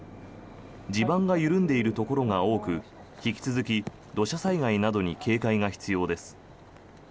地盤が緩んでいるところが多く引き続き、土砂災害などに警戒が必要です。